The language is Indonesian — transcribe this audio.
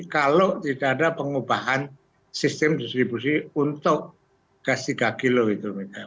kalau tidak ada pengubahan sistem distribusi untuk gas tiga kg itu